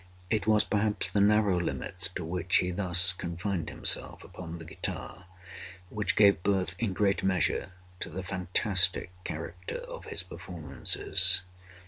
It was, perhaps, the narrow limits to which he thus confined himself upon the guitar, which gave birth, in great measure, to the fantastic character of his performances.